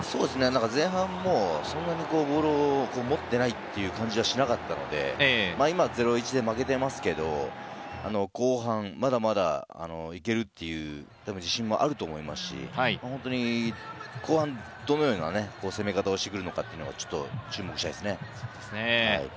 前半、そんなにボールを持っていないという感じはしなかったので、今は０ー１で負けていますけど、後半まだまだ行けるという自信もあるでしょうと思いますし、後半どのような攻め方をしてくるのかというのはちょっと注目したいですね。